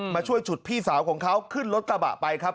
ช่วยฉุดพี่สาวของเขาขึ้นรถกระบะไปครับ